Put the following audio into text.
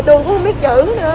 tôi không biết chữ nữa